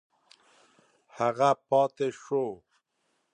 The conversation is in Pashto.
هغه پاته شو.